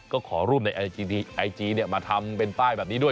ก็ขอรูปในไอจีมาทำเป็นป้ายแบบนี้ด้วย